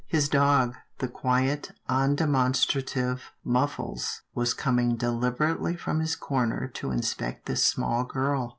His dog, the quiet, undemonstrative Muffles, was com ing deliberately from his corner to inspect this small girl.